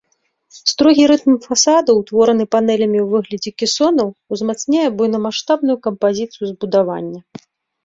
Строгі рытм фасадаў, утвораны панелямі ў выглядзе кесонаў, узмацняе буйнамаштабную кампазіцыю збудавання.